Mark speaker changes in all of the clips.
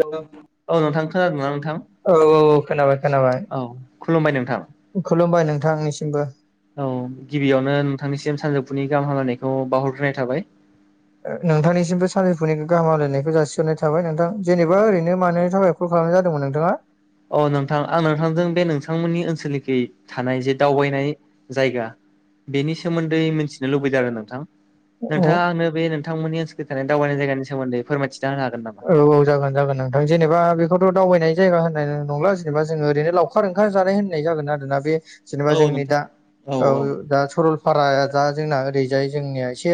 Speaker 1: औ
Speaker 2: औ नोंथां खोनादोंना नोंथां
Speaker 1: औ औ खोनाबाय खोनाबाय
Speaker 2: औ खुलुमबाय नोंथां
Speaker 1: खुलुमबाय नोंथांनिसिमबो
Speaker 2: औ गिबियावनो नोंथांनिसिम सानजौफुनि गाहाम हामलायनायखौ बावहरग्रोनाय थाबाय
Speaker 1: नोंथांनिसिमबो सानजौफुनि गाहाम हामलायनायखौ जासिहरनाय थाबाय नोंथां जेनेबा ओरैनो मानो थाखाय कल खालामनाय जादोंमोन नोंथाङा
Speaker 2: अह नोंथां आं नोंथांजों बे नोंथांमोननि ओनसोलखै थानाय जे दावबायनाय जायगा बेनि सोमोन्दै मिथिनो लुबैदों आरो नोंथां नोंथाङा आंनो बे नोंथांमोननि ओनसोलखै थानाय दावबायनाय जायगानि सोमोन्दै फोरमायथिना होनो हागोन नामा
Speaker 1: [unintelligible] औ औ जागोन जागोन नोंथां जेनेबा बेखौथ' दावबायनाय जायगा होन्नाय नंला जेनेबा जोङो ओरैनो लावखार ओंखाम जानाय होननाय जागोन आरोना बे
Speaker 2: औ
Speaker 1: जेनेबा जोंनि
Speaker 2: नोंथां
Speaker 1: दा औ दा सरलपाराया दा जोंना ओरैजाय जोंनिया एसे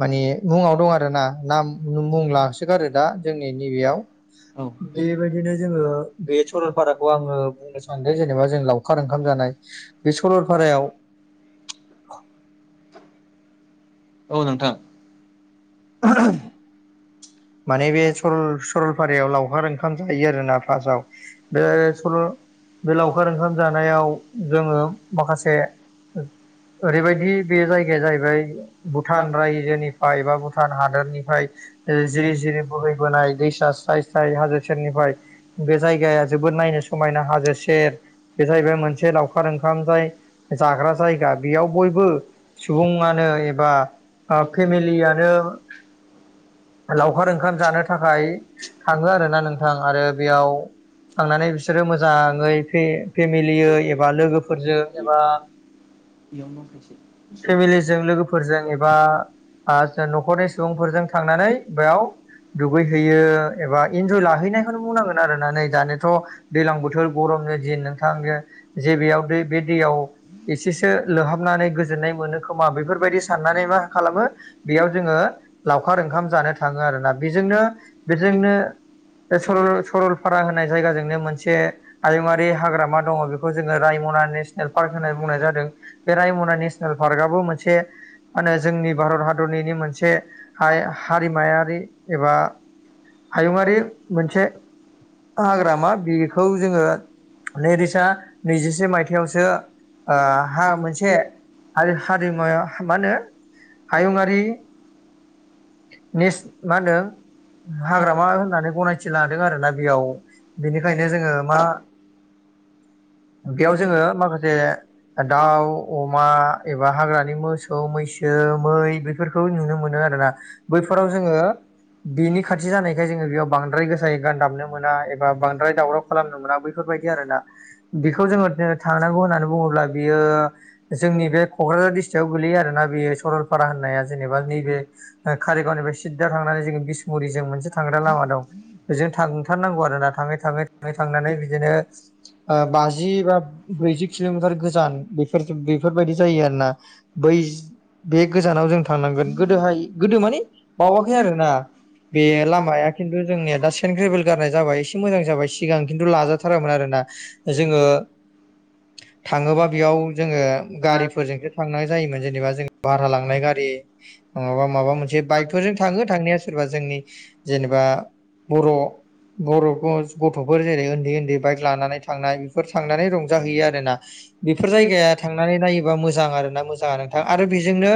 Speaker 1: मानि मुङाव दं आरो नाम बुंलांसोगारो दा जोंनि नैबेयाव
Speaker 2: औ
Speaker 1: बेबायदिनो जोङो बे सरलपाराखौ आङो बुंनो सानदों जेनेबा जों लाव खार ओंखाम जानाय बे सलपारायाव
Speaker 2: औ नोंथां
Speaker 1: [unintelligible] माने बे सरलपारायाव लावखार ओंखाम जायो आरोना फार्स्टआव बे सरल बे लावखार ओंखाम जानायाव जोङो माखासे ओरैबायदि बे जायगाया जाहैबाय भुटान रायजोनिफ्राय एबा भुटान हादरनिफ्राय जिरि जिरि बोहैबोनाय दैसा स्राय स्राय हाजो सेरनिफ्राय बे जायगाया जोबोद नायनो समायना हाजो सेर बे जाहैबाय मोनसे लावखार ओंखाम जाय जाग्रा जायगा बेयाव बयबो सुबुङानो एबा फेमिलियानो लावखार ओंखाम जानो थाखाय थाङो आरो ना नोंथां आरो बेयाव थांनानै बिसोरो मोजाङै फेमिलियै एबा लोगोफोरजों एबा फेमिलिजों लोगोफोरजों एबा
Speaker 2: [unintelligible]
Speaker 1: न'खरनि सुबुंफोरजों थांनानै
Speaker 2: बेयाव
Speaker 1: दुगैहैयो एबा इन्जय लाहैनायखौनो बुंनांगोन आरो ना नै दानिथ' दैलां बोथोर गरम दिन नोंथां जे बेयाव दै बे दैयाव एसे लोहाबनानै गोजोननाय मोनो खोमा बेफोरबायदि साननानै मा खालामो बेयाव जोङो लावखार ओंखाम जानो थाङो आरो ना बेजोंनो बेजोंनो बे सरलपारा होननाय जायगाजोंनो मोनसे हायुङारि हाग्रामा दङ बेखौ जोङो रायमना नेसनेल पार्क होननानै बुंनाय जादों बे रायमना नेसनेल पार्कआबो मोनसे मा होनो जोंनि भारत हादरनिनि मोनसे हारिमायारि एबा हायुङारि मोनसे हाग्रामा बेखौ जोङो नैरोजा नैजिसे मायथाइयावसो ओ हा मोनसे आरो हारिमुमाया मा होनो
Speaker 2: हायुङारि
Speaker 1: निस मा होनो हाग्रामा होननानै गनायथि लादों आरोना बेयाव बेनिखायनो जोङो मा
Speaker 2: [inaudible]
Speaker 1: बेयाव जोङो माखासे दाउ अमा एबा हाग्रानि मोसौ मैसो मै बेफोरखौ नुनो मोनो आरोना बैफोराव जोङो
Speaker 2: [unintelligible]
Speaker 1: बेनि खाथि जानायखाय जोङो बेयाव बांद्राय गोसायै गान दाबनो मोना एबा बांद्राय दावराव खालामनो मोना बैखौ बेफोरबायदि आरोना बेखौ जोङो थांनांगौ होननानै बुङोब्ला बियो जोंनि बे क'क्राझार दिस खाथियाव गोगलैयो आरोना बेयो सरलपारा होननाया जेनेबा नैबे कारिगावनिफ्राय सिदा थांनानै जोङो बिसमुरिजों मोनसे थांग्रा लामा दं बे जों थांथारनांगौ आरोना थां थाङै थाङै थाङै थांनानै बिदिनो बाजि बा ब्रैजि किल'मिटार गोजानफोर बेफोरबायदि जायो आरो ना बै
Speaker 2: [inaudible]
Speaker 1: बे गोजानाव जों थांनांगोन गोदोहाय गोदो माने बावाखै आरोना बे लामाया खिन्थु जोंनिया दा सेन्ट ग्रेभेल गारनाय जाबाय एसे मोजां जाबाय सिगां खिन्थु लाजाथारामोन आरो दा जोङो
Speaker 2: [inaudible]
Speaker 1: थाङोबा बेयाव जोङो गारिफोरजोंसो थांनाय जायोमोन जेनेबा जोङो भारा लांनाय गारि नङाबा माबा मोनसे बाइकजों थाङो थांनाया सोरबा जोंनि जेनेबा बर' बर' गथ'फोर जेरै उन्दै उन्दै बाइक लानानै थांनाय बेफोर थांनानै रंजाहैयो आरोना बेफोर जायगाया थांनानै नायोबा मोजां आरोना मोजाङानो आरो बेजोंनो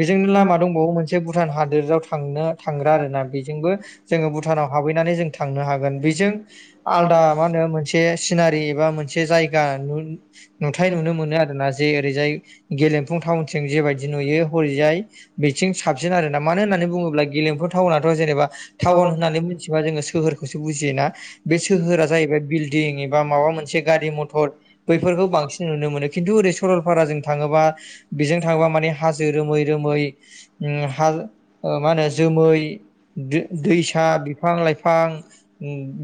Speaker 1: बेजोंनो लामा दंबावो मोनसे भुटान हादोराव थांनो थांग्रा आरो ना बेजोंबो जोङो भुटानाव हाबहैनानै जों थांनो हागोन बेजों आलदा मा होनो मोनसे सिनारि एबा मोनसे जायगा नुथाय नुनो मोनो मोनो आरो ना जे ओरैजाय गेलेमफुं थावनथिं जेबायदि नुयो हरैजाय बिथिं साबसिन आरोना मानो होननानैुङोब्ला गेलेफु टाउनाथ जेनबा टाउन होननानै मिथिबा सोहोरखौसो बुजियो बे सोहोरा जाहैबाय बिल्डिं एबा माबा मोनसे गारि मथर बैफोरखौ बांसिन नुनो मोनो खिथु ओरै सरलपाराजों थाङोबा बेजों थाङोबा माने हाजो रोमै रोमै मा होनो जोमै दैसा बिफां लाइफां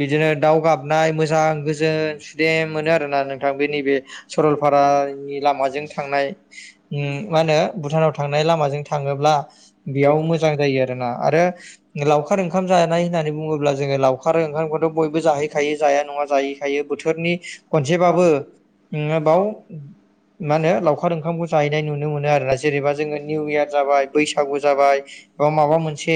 Speaker 1: बिदिनो दाउ गाबनाय मोजां गोजोन सुदेम मोनो आरोना नोंथां बे नैबे सरलपारानि लामाजों थांनाय उम मा होनो भुटानाव थांनाय लामाजों थाङोब्ला बेयाव मोजां जायो आरोना आरो लावखार ओंखाम जानाय होननानै बुङोब्ला जोङो लावखार ओंखाम बयबो जाहैखायो जाया नङा जाहैखायो बोथोरनि खनसेबाबो नोङा बाव मा होनो लावखार ओंखामखौ जा हैनाय नुनो मोनो आरोना जेनेबा जोङा निउ इयार जाबाय बैसागु जाबाय बा माबा मोनसे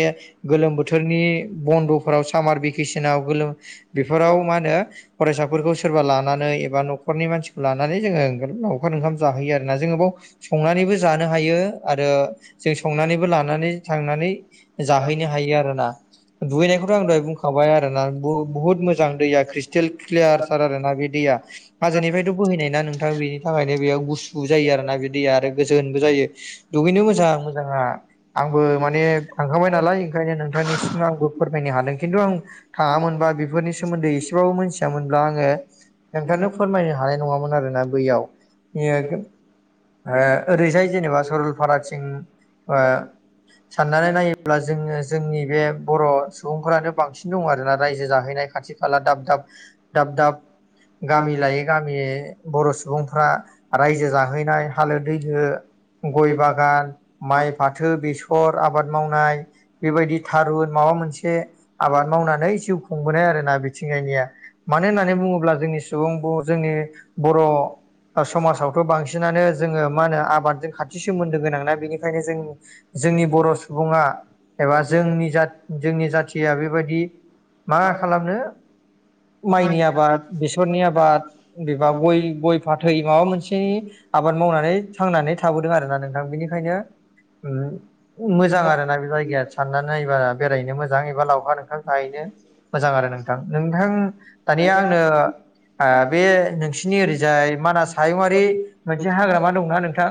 Speaker 1: गोलोम बोथोरनि बन्द'फोराव सामार भेकेसनाव गोलोम बेफोराव मा होनो फरायसाफोरखौ सोरबा लानानै एबा न'खरनि मानसिखौ लानानै जोंङो लावखार ओंखाम जाहोयो आरो ना जोङो बेयाव संनानैबो जानो हायो आरो जों संनानैबो लानानै थांनानै जाहैनो हायो आरोना दुगैनायखौथ' आं दहाय बुंखाबाय आरोना बुहुत मोजां दैया क्रिस्टेल क्लियार थार आरो ना बे दैया हाजोनिफ्रायथ' बोहैनाय ना नोंथां बेनि थाखायनो बेयाव गुसु जायो आरो ना दैया आरो गोजोनबो जायो दुगैनो मोजां जोंहा आंबो माने थांखांबाय नालाय ओंखायनो नोंथांनिसिम आंबो फोरमायनो हादों खिन्थु आं थाङामोनबा बेफोरनि सोमोन्दै एसेबाबो मिथियामोनब्ला आङो नोंथांनो फोरमायनो हानाय नङामोन आरोना बैयाव ओ ओ ओरैजाय जेनेबा सरलपाराथिं ओ
Speaker 2: [unintelligible]
Speaker 1: साननानै नायोब्ला जोङो जोंनि बे बर' सुबुंफोरानो बांसिन दं आरोना रायजो जाहैनाय खाथि खाला दाब दाब दाब दाब गामि लायै गामि बर' सुबुंफ्रा रायजो जा हालो दैलो गय बागान माइ फाथो बेसर आबाद मावनाय बेबायदि थारुन माबा मोनसे आबाद माव मावनानै जिउ खुंबोनाय आरोना बिथिंगायनिया मानो होननानै बुङोब्ला जोंनि सुबुं जोंनि बर' समाजावथ' बांसिनानो जोङो मा होनो आबादजों खाथि सोमोन्दो गोनां ना बेनिखनो बेनिखायनो जों जोंनि बर' सुबुङा एबा जोंनि जोंनि जाथिया बेबायदि मा खालामनो माइनि आबाद बेसरनि आबाद एबा गय गय फाथै माबा मोनसे आ बाद मावनानै थांनानै थाबोदों आरोना नोंथां बेनिखायनो मोजां आरोना बे जायगाया साननानै नायबा बेरायनो मोजां एबा लावखार ओंखाम जा हैनो मोजां आरो नोंथां नोंथां दानिया आंङो ओ बे नोंसिनि ओरैजाय मानास हायुंआरि मोनसे हाग्रामा दंना नोंथां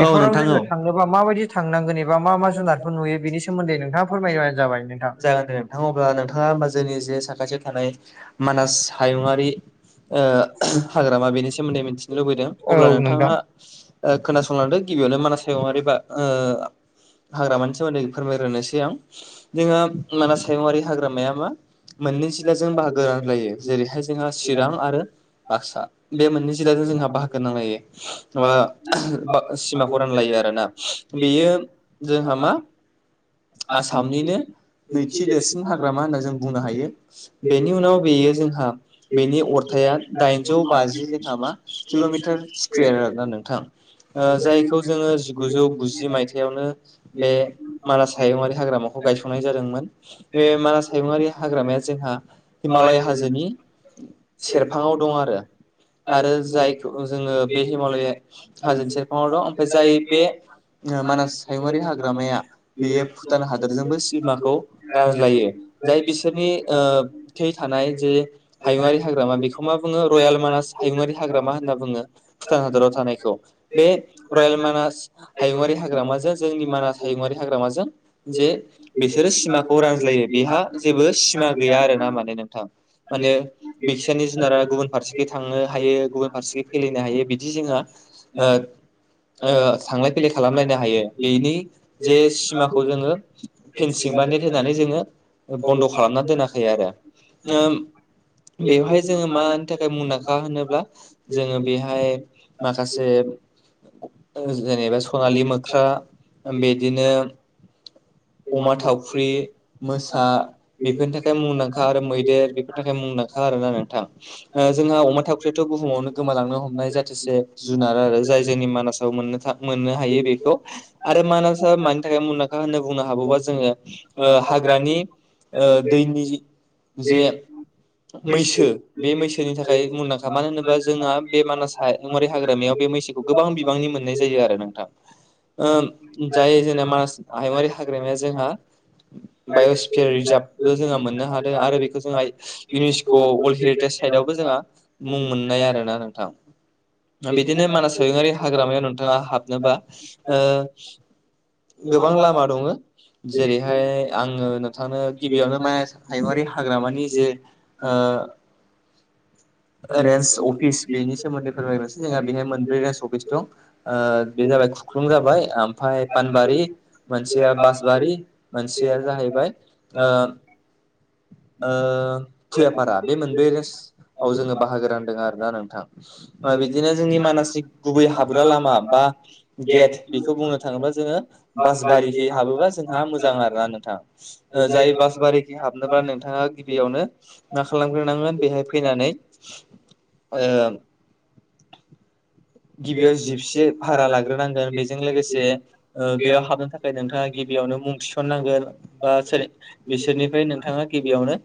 Speaker 1: बेफोराव जोङो थाङो बा माबायदि थांनांगोन एबा मा मा
Speaker 2: थांनांगोन एबा
Speaker 1: जुनारफोर नुयो बेनि सोमोन्दै नोंथाङा फोरमायबानो जाबाय नोंथां
Speaker 2: होमबा नोंथाङा होमबा जोंनि जे साखाथियाव थानाय मानास हायुङारि ओ हाग्रामा बेनि सोमोन्दै मिथिनो लुबैदों
Speaker 1: औ
Speaker 2: अब्लानो नोंथाङा
Speaker 1: नोंथां
Speaker 2: खोनासंलांदों गिबियावनो मानास हायुङारि बा ओ हाग्रामानि सोमोन्दै फोरमाय्रोनोसै आं जोङ मानास हायुङारि हाग्रामाया मा मोननै जिल्लाजों बाहागो रानलायो जेरैहाय जोंहा चिरां आरो बाक्सा बे मोननै जिल्लाजों जोंहा बाहागो नांलायो बा सिमाखौ रानलायो आरोना बेयो जोंहा मा आसामनिनो नैथि देरसिन हाग्रामा होनना जों बुंनो हायो बेनि उनाव बेयो जोंहा बेनि अरथाइ जौथाया दाइनजौ बाजि जोंहा मा किल'मिटार स्कुवार आरोना नोंथां ओ जायखौ जोङो जिगुजौ गुजि मायथाइयावनो बे मानास हायुंआरि हाग्रा लामाखौ गायसंनाय जादोंमोन बे मानास हायुङारि हाग्रामाया जोंहा हिमालय हाजोनि सेरफाङाव दं आरो आरो जायखौ जोङो बे हिमालया हाजो सेरफाङाव दं ओमफ्राय जाय बे मानास हायुङारि हाग्रामाया बेयो भुटान हादोरजोंबो सिमाखौ रानज्लायो जाय बिसोरनि थै थानाय जे हायुङारि हाग्रामा बेखौ मा बुङो रयेल मानास हायुङारि हाग्रामा होनना बुङो। भुटान हादराव थानायखौ बे रयेल मानास हायुङारि हाग्रामाजों जोंनि मानास हायुङारि हाग्रामाजों जे बिसोरो सिमाखौ रानज्लायो बेहा जेबो सिमा गैया आरो ना माने नोंथां। माने बिक्सिनि जुनारा गुबुन फारसेथि थांनो हायो गुबुन फारसेखै फैलेनो हायो। बिदि जोङो थांलाय फैलाय खालामलायनो हायो। बेनि जे सिमाखौ जोङो फेनसिं बा नेट होनानै जोङो बन्द' खालामना दोनाखै आरो। बेवहाय जोङो मानि थाखाय मुंदांखा होनोब्ला जोङो बेहाय माखासे जेनेबा सनालि मोख्रा बिदिनो अमा थावफ्रि मोसा बेफोरनि थाखाय मुंदांखा आरो मैदेर बेफोर थाखाय मुंदां खा आरोना नोंथां जोंहा अमा थावख्रियाथ' बुहुमावनो गोमालांनो हमनाय जाहाथेसे जुनार आरो जाय जोंनि मानास मोननो हायो बेखौ आरो मानि थाखाय मुदांखा होनो बुंनो हाबोबा जोङो हाग्रानि दैनि जे मैसो बे मैसो मैसोनि थाखाय मुंदांखा मानो होनोबा जोंहा बे मानास हरै हाग्रामायाव बे मैसोखौ गोबां बिबांनि मोननाय जायो। बिदि आरो नोंथां जाय जोंना मानास हायुंआारि हा हाग्रामाया जोंहा बाय'स्फेयार रिजार्भल जोंहा मोननो हादों आरो बेखौ जोंहा इउनिस्क' वर्ल्ड हेरिटेज साइदआवबो जोंहा मुं मोननाय आरोना नोंथां। बिदिनो मानास हायुङारि हाग्रामायाव नोंथाङा हाबनोबा ओ गोबां लामा दङ। जेरैहाय आङो नोंथांनो गिबियावनो मानास हायुङारि हाग्रामानि जे ओ रेन्स अफिस बेनि सोमोन्दै फोरमायग्रोसै जोंहा बेहाय मोनब्रै रेन्स अफिस दं बे जाबाय खुख्लं जाबाय ओमफाय पानबारि मोनसे बासबारि मोनसेया जाहैबाय ओ थुयापारा बे मोनब्रै रेन्सआव जोङो बाहागो रानदों आरोना नोंथां। बिदिनो जोंनि मानासिक गुबै हाब लामा बा गे बेखौ बुंनो थाङोबा जोङो बासबारि हाबोबा जों मोजां आरोना नोंथां जाय बहाबा नोंथां गिबि मावनो मा खालामग्रोनांगोन बेहाय फैनानै [inaudible] गिबियाव जिबसि भारा लाग्रोनांगोन बेजों लोगोसे बेयाव हाबनो थाखाय नोंथाङा गि गिबियावनो मुं थिसननांगोन बा सोर बिसोरनिफ्राय नोंथाङा गिबियावनो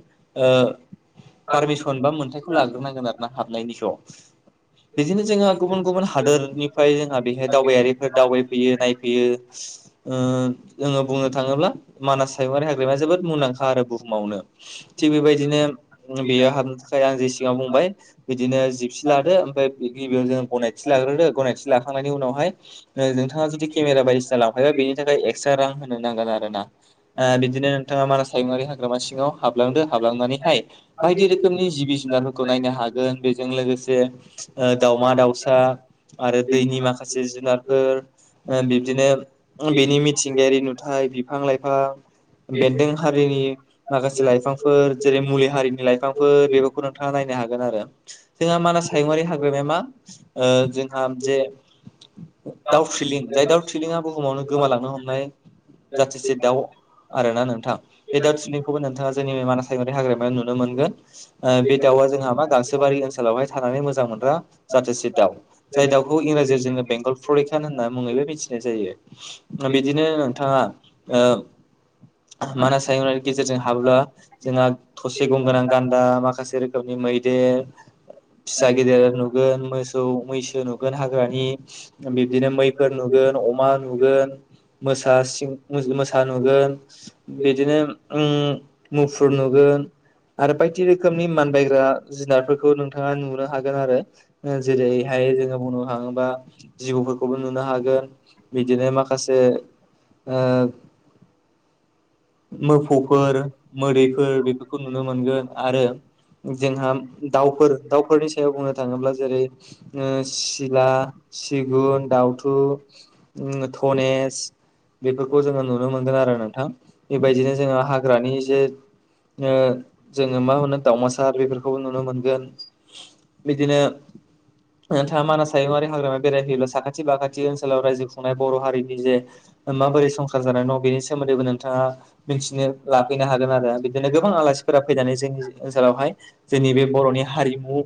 Speaker 2: पारमिसन बा मोन्थथायखौ लाग्रोनांगोन आरो ना हाबनायनि सायाव
Speaker 1: बे
Speaker 2: गुबुन गुबुन हादोरनिफ्राय जोंहा बेहाय दावबायारिफोर दावबायफैयो नायफैयो ओ जोङो बुंनो थाङोब्ला मानास हायगुंङारि हाग्रामाया जोबोद मुंदांखा आरो बुहुमावनो थिग बेबायदिनो बेयाव हाबनो थाखाय आं जे सिगाङाव बुंबाय बिदिनो जिबसि लादो ओमफ्राय गिबियाव जों गनायथि लाग्रोदो गनायथि लाखांनायनि उनावहाय नोंथाङा जुदि केमेरा बायदिसिना लांफायोबा बेनि थाखाय एक्स रां होनो नांगोन आरो ना बिदिनो नोंथाङा मानास हायुंङआारि हाग्रामा सिङाव हाबलांदो हाबलांनानै हाय बायदि रोखोमनि जि जुनारफोरखौ नायनो हागोन बेजों लोगोसे दाउमा दाउसा आरो दैनि माखासे जुनारफोर बिदिनो बिनि मिथिं गेरि नुथाय बिफां लाइफां बेन्दों हारिनि माखासे लाइफांफोर जेरै मुलि हारिनि लाइफांफोर बेफोरखौ नोंथाङा नायनो आरो जोंहा मानास हायुंआारि हाग्रामाया मा जोंहा जे दाउ थ्रिलिं जाय दाउथलिंआ बुहुमावनो गोमालांनो हमनाय जाथिसे दाउ आर ना नोंथां बे दाउ थिलिखौबो नोंथाङा जोंनि मानासायगनाय हाग्रामायाव नुनो मोनो। बे दाउआ जोंहा मा गांसोबारि ओनसोलावहाय थानानै मोजां मोनग्रा जाथोसे दा जाय दाउखौ इंराजियाव जोङो बेंगल फरिखान होनना मुङैबो मिथिनाय जायो बिदिनो नोंथाङा मानास सायनायनि गेजेरजों हाबोब्ला जोंहा थसे गंगोनां गान्दा माखासे रोखोमनि मैदेर फिसा गेदेर नुगोन मोसौ मैसो नुगोन हाग्रानि बिब्दिनो मैफोर नुगोन अमा नुगोन मोसा मोसा नुगोन बिदिनो मुफुर नुगोन आरो बायदि रोखोमनि मानबायग्रा जुनारफोरखौ नोंथाङा नुनो हागोन आरो जेरैहाय जोङो बुंनो थाङोबा जिबौफोरखौबो नुनो हागोन बिदिनो माखासे मोफौफोर मोदैफोर बेफोरखौ नुनो मोनगोन आरो जोंहा दाउफोर दाउफोरनि सायाव बुंनो थाङोब्ला जेरै सिला सिगुन दावथु धनेस बेफोरखौ जोङो नुनो मोनगोन आरो नोंथां बेबायदिनो जोङो हाग्रानि जे जोङो मा होनो दाावमासार बेफोरखौबो नुनो मोनगोन बिदिनो नोंथाङा मानास हायुंङआारि हाग्रामाया बेरायफैयोब्ला साखाथि बाखाथि ओनसोलाव रायजो खुंनाय बर' हारिनि जे माबोरै संसार जानाय नं बेनि सोमोन्दैबो नोंथाङा मिथिनो लाफैनो हागोन आरो बिदिनो गोबां आलासिफोरा फैनानै जोंनि ओनसोलावहाय जोंनि बे बरनि हारिमु